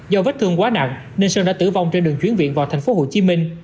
do vết thương quá nặng nên sơn đã tử vong trên đường chuyển viện vào tp hcm